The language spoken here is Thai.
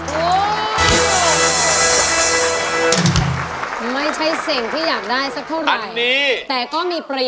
ไม่ใช่เสียงที่อยากได้สักเท่าไหร่แต่ก็มีประโยค